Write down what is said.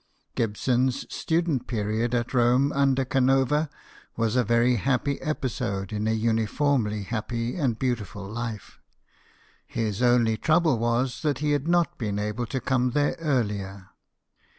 Gibson's student period at Rome under Canova was a very happy episode in a uni formly happy and beautiful life. His only trouble was that he had not been able to come there earlier.